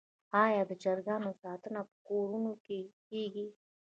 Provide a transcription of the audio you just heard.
آیا د چرګانو ساتنه په کورونو کې کیږي؟